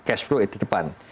itu itu di depan